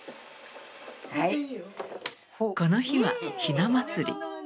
この日はひな祭り。